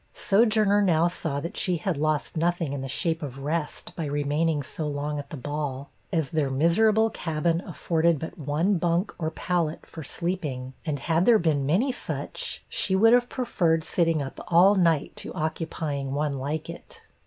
Sojourner now saw that she had lost nothing in the shape of rest by remaining so long at the ball, as their miserable cabin afforded but one bunk or pallet for sleeping; and had there been many such, she would have preferred sitting up all night to occupying one like it.